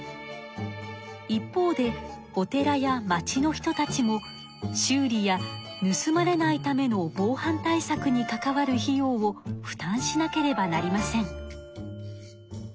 一方でお寺や町の人たちも修理やぬすまれないための防犯対策に関わる費用を負担しなければなりません。